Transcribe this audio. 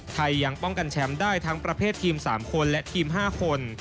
ยังป้องกันแชมป์ได้ทั้งประเภททีม๓คนและทีม๕คน